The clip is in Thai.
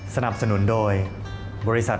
สนับสนุนโดยบริษัทปธจำกัดมหาชน